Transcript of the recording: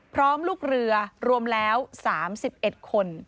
ลูกเรือรวมแล้ว๓๑คน